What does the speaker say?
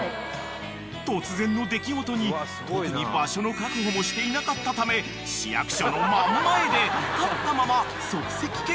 ［突然の出来事に特に場所の確保もしていなかったため市役所の真ん前で］